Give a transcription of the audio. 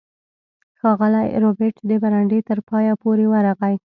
ښاغلی ربیټ د برنډې تر پایه پورې ورغی